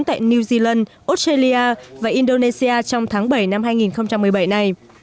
tại new zealand australia và indonesia trong tháng bảy năm hai nghìn một mươi bảy này